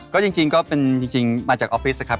ก็จริงก็เป็นจริงมาจากออฟฟิศครับ